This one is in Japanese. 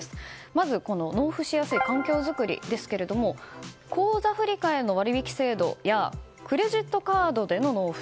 まず、納付しやすい環境づくりですけれども口座振替の割引制度やクレジットカードでの納付